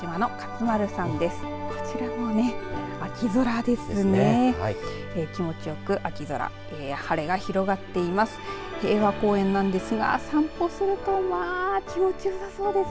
広島の勝丸さんです。